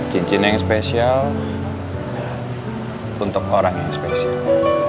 cincin yang spesial untuk orang yang spesial